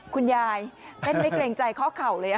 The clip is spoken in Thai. คุณแม่เต้นไม่เกรงใจข้อเข่าเลย